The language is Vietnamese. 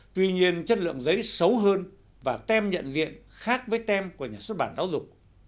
tuy nhiên chất lượng giấy xấu hơn và tem nhận diện khác với tem của nhà xuất bản giáo dục